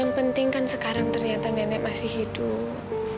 yang penting kan sekarang ternyata nenek masih hidup